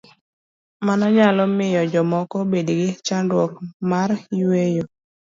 Mano nyalo miyo jomoko obed gi chandruok mar yueyo.